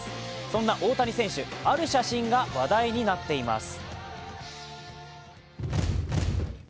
そんな大谷選手、ある写真が話題になっています。